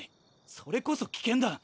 それこそ危険だ。